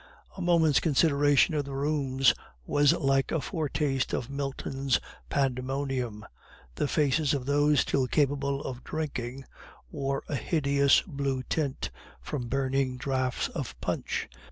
A moment's consideration of the rooms was like a foretaste of Milton's Pandemonium. The faces of those still capable of drinking wore a hideous blue tint, from burning draughts of punch.